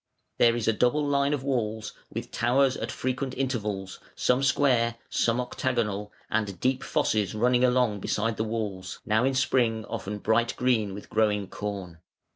There is a double line of walls with towers at frequent intervals, some square, some octagonal, and deep fosses running along beside the walls, now in spring often bright green with growing corn.